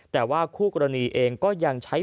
แต่ว่าคู่กรณีเองก็ยังใช้